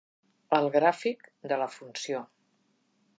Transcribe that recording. El gràfic de la funció.